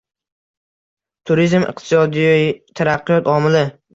Turizm – iqtisodiy taraqqiyot omili